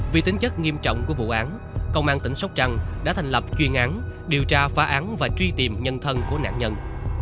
vì tính chất nghiêm trọng của vụ án công an tỉnh sóc trăng đã thành lập chuyên án điều tra phá án và truy tìm nhân thân của nạn nhân